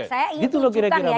saya ingin tunjukkan ya